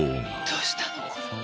どうしたの？